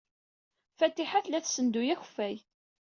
Fatiḥa tella tessenduy akeffay.